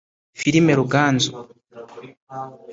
Filime Ruganzu